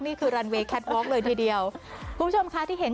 นี่คือโรงพักหรือว่าแคทบอก